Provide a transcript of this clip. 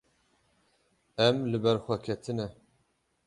Em li ber xwe ketine.